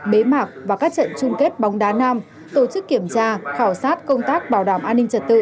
bế mạc và các trận chung kết bóng đá nam tổ chức kiểm tra khảo sát công tác bảo đảm an ninh trật tự